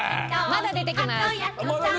まだ出てきます。